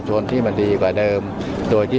ตราบใดที่ตนยังเป็นนายกอยู่